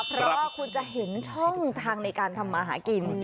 เพราะว่าคุณจะเห็นช่องทางในการทำมาหากิน